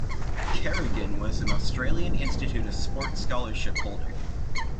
Carrigan was an Australian Institute of Sport scholarship holder.